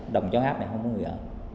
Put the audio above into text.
đồng chóng áp này không có người ở